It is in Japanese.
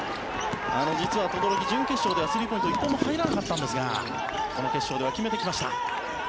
実は轟、準決勝ではスリーポイントが１本も入らなかったんですがこの決勝では決めてきました。